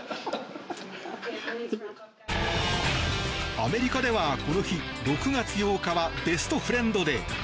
アメリカでは、この日６月８日はベストフレンドデー。